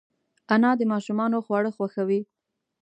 انا د ماشومانو خواړه خوښوي